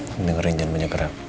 mending rinjan banyak gerak